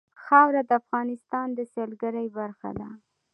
خاوره د افغانستان د سیلګرۍ برخه ده.